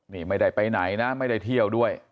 นี่ไม่ได้ไปไหนนะไม่ได้เที่ยวด้วย